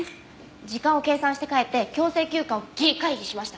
時間を計算して帰って強制休暇をギリ回避しました。